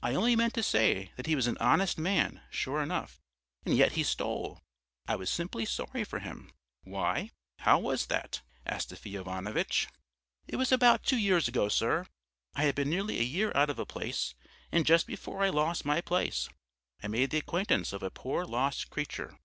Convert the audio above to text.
I only meant to say that he was an honest man, sure enough, and yet he stole. I was simply sorry for him." "Why, how was that, Astafy Ivanovitch?" "It was about two years ago, sir. I had been nearly a year out of a place, and just before I lost my place I made the acquaintance of a poor lost creature.